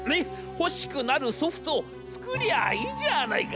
欲しくなるソフトを作りゃあいいじゃないか』。